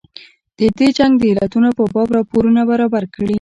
د دې جنګ د علتونو په باب راپورونه برابر کړي.